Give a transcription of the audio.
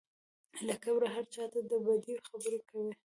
له کبره هر چا ته بدې خبرې کوي.